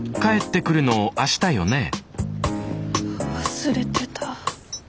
忘れてた。